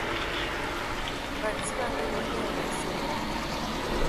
Batsidi a Ngaanyian a zen.